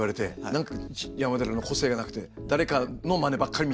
何か「山寺の個性がなくて誰かのマネばっかり」みたいな。